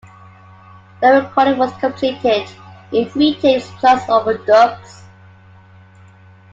The recording was completed in three takes, plus overdubs.